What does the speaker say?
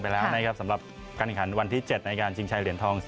ไปแล้วนี่ครับสำหรับการขันวันที่เจ็ดในการจริงใช่เหรียญทอง